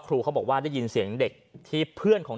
เขาบอกว่าได้ยินเสียงเด็กที่เพื่อนของ